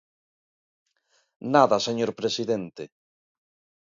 Nada, señor presidente.